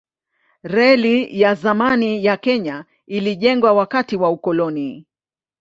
Reli ya zamani ya Kenya ilijengwa wakati wa ukoloni.